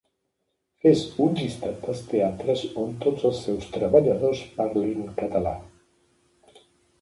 Fes un llistat dels teatres on tots els seus treballadors parlin català